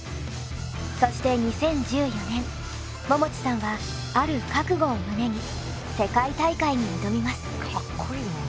そして２０１４年ももちさんはある覚悟を胸に世界大会に挑みます。